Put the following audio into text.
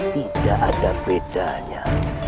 tidak ada bedanya